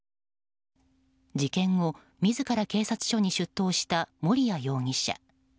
事件後、自ら警察署に出頭した森谷容疑者。